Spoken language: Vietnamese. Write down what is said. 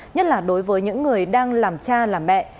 nhất là đối với những người đang làm cha làm mẹ